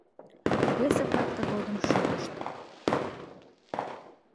Рвезе-влак тыгодым шӱдышт: